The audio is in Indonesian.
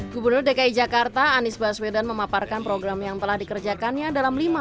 gubernur dki jakarta anies baswedan memaparkan program yang telah dikerjakannya dalam lima tahun